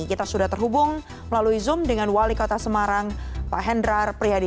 kita sudah terhubung melalui zoom dengan wali kota semarang pak hendrar prihadi